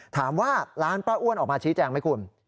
ถามว่าร้านป้าอ้วนออกมาชี้แจงไหมคุณ